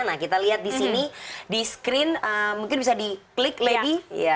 nah kita lihat di sini di screen mungkin bisa di klik lady